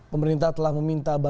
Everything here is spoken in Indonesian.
pemerintah telah meminta bantuan